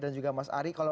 dan juga mas ari